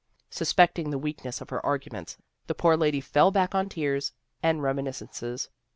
Suspecting the weakness of her arguments, the poor lady fell back on tears and reminis cences.